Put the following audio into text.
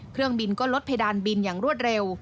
เครื่องบินก็ลดเพดานบินอย่างรวดเร็ว